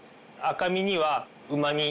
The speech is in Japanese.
赤身にはうまみ。